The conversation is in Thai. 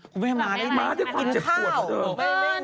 คุณแม่ม้าได้ความเจ็บขวดเหมือนเดิม